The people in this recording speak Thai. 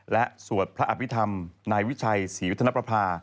และสวดพระอภิษฐรรมนายวิชัยศรีวัฒนประภา